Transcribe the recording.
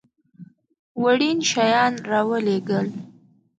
وړین شیان را ولېږل.